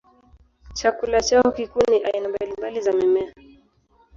Chakula chao kikuu ni aina mbalimbali za mimea.